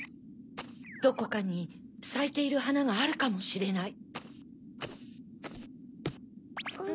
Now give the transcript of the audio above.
どこかにさいているはながあるかもしれない。